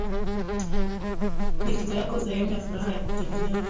wa likizo yako Sehemu ya furaha ya kutembelea